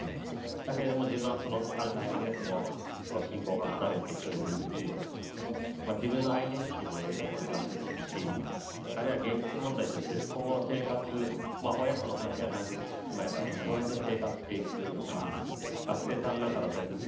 だけれども、自分はそのあるタイミングで、信仰が離れていくというときに、自分のアイデンティティーに影響する話ですし、あるいは現実問題として、今後の生活、親との関係が断絶してしまえばどうやって生活していくのか、学生さんなんかだったりすると、